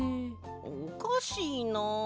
おかしいな。